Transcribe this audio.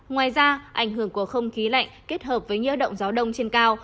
ngoài ra ảnh hưởng của không khí lạnh kết hợp với nhiễu động gió đông trên cao